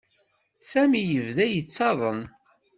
Sami yebda yettaḍen.